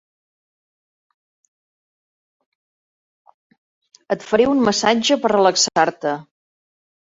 Et faré un massatge per relaxar-te.